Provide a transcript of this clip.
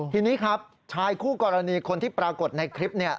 ทีนี้ครับชายคู่กรณีคนที่ปรากฏในคลิปเนี่ย